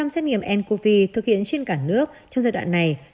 một mươi tám xét nghiệm ncov thực hiện trên trường hợp mỗi ngày